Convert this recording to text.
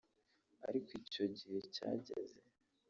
ariko iyo icyo gihe cyageze